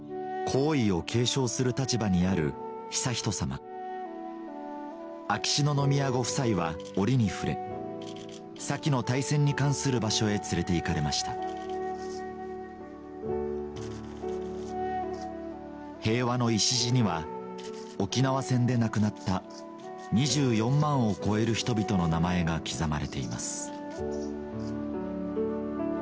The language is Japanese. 皇位を継承する立場にある悠仁さま秋篠宮ご夫妻は折に触れ先の大戦に関する場所へ連れて行かれました「平和の礎」には沖縄戦で亡くなった２４万を超える人々の名前が刻まれています